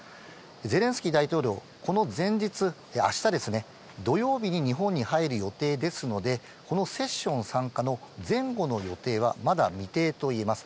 ゼレンスキー大統領、この前日、あしたですね、土曜日に日本に入る予定ですので、このセッション傘下の前後の予定はまだ未定といえます。